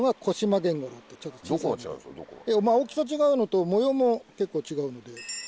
大きさ違うのと模様も結構違うので。